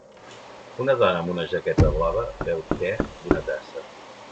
Una dona amb una jaqueta blava beu te d'una tassa.